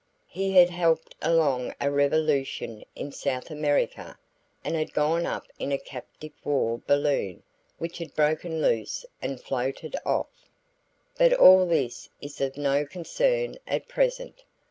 He had helped along a revolution in South America, and had gone up in a captive war balloon which had broken loose and floated off. But all this is of no concern at present.